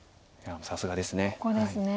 さすがです。